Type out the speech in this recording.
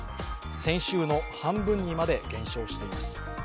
先週の半分にまで減少しています。